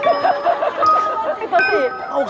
เจ้าก็สี่